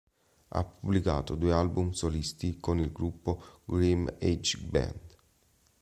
Ha pubblicato due album solisti con il gruppo Graeme Edge Band.